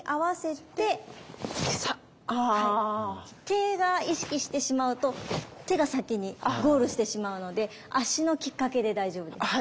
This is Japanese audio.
手が意識してしまうと手が先にゴールしてしまうので足のきっかけで大丈夫です。